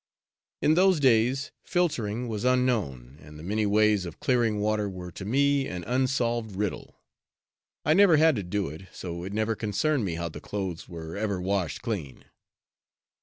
In those days filtering was unknown and the many ways of clearing water were to me an unsolved riddle. I never had to do it, so it never concerned me how the clothes were ever washed clean.